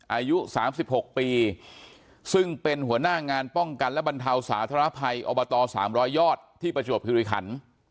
อายุ๓๖ปีซึ่งเป็นหัวหน้างานป้องกันและบรรเทาสาธารณภัยอบต๓๐๐ยอดที่ประจวบคิริขัน